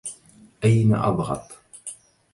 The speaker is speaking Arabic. أين أضغط؟